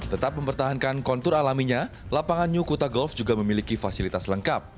tetap mempertahankan kontur alaminya lapangan new kuta golf juga memiliki fasilitas lengkap